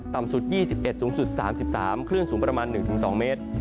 ต่ำสุด๒๑สูงสุด๓๓คลื่นสูงประมาณ๑๒เมตร